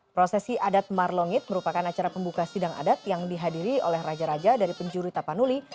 prosesi adat marlongit merupakan acara pembuka sidang adat yang dihadiri oleh raja raja dari penjuri tapanuli